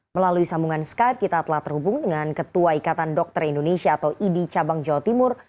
melalui sambungan skype kita telah terhubung dengan ketua ikatan dokter indonesia atau idi cabang jawa timur